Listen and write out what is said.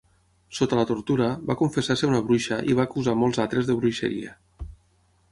Sota la tortura, va confessar ser una bruixa i va acusar molts altres de bruixeria.